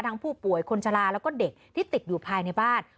ผู้ป่วยคนชะลาแล้วก็เด็กที่ติดอยู่ภายในบ้าน